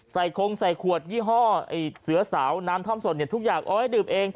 คงใส่ขวดยี่ห้อเสือสาวน้ำท่อมสดทุกอย่างเอาไว้ดื่มเอง